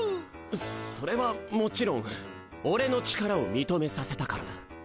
それはもちろん俺の力を認めさせたからだ